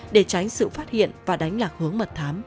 để tránh sự phát hiện và đánh lạc hướng mật thám